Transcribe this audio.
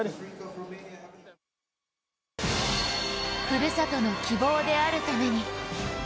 ふるさとの希望であるために。